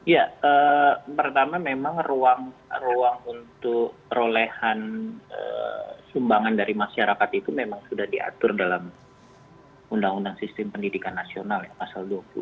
ya pertama memang ruang untuk perolehan sumbangan dari masyarakat itu memang sudah diatur dalam undang undang sistem pendidikan nasional ya pasal dua puluh satu